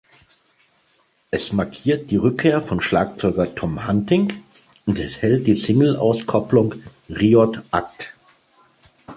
Es markiert die Rückkehr von Schlagzeuger Tom Hunting und enthält die Singleauskopplung „Riot Act“.